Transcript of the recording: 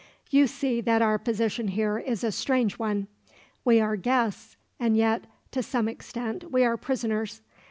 You see that our position here is a strange one. We are guests and yet, to some extent, we are prisoners.